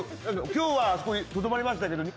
今日はあそこにとどまりましたけど。